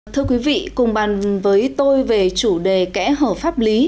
thưa quý vị cùng bàn với tôi về chủ đề kẽ hở pháp lý